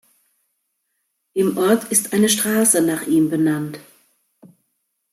Im Ort ist eine Straße nach ihm benannt.